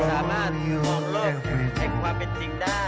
สามารถบอกรบให้ความเป็นจริงได้